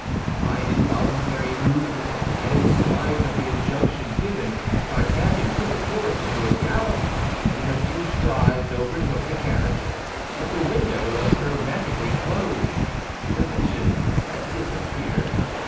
By an involuntary movement and in spite of the injunction given, D'Artagnan put his horse into a gallop, and in a few strides overtook the carriage; but the window was hermetically closed, the vision had disappeared.